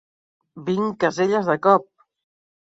Vint caselles de cop!